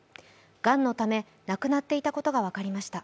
がんのため亡くなっていたことが分かりました。